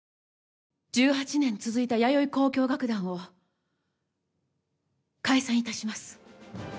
１８年続いた弥生交響楽団を解散致します。